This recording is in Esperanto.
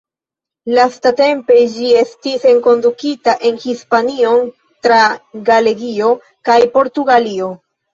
Lastatempe ĝi estis enkondukita en Hispanion tra Galegio kaj Portugalio.